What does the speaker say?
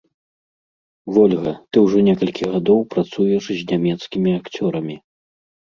Вольга, ты ўжо некалькі гадоў працуеш з нямецкімі акцёрамі.